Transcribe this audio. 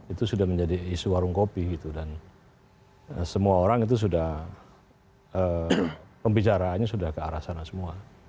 itu sudah menjadi isu warung kopi gitu dan semua orang itu sudah pembicaraannya sudah ke arah sana semua